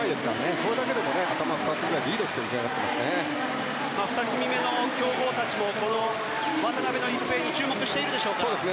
これだけでも頭２つくらい２組目の強豪たちも渡辺一平に注目しているでしょうか？